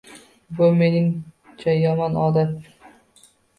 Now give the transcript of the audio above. Bu meningcha yomon odat!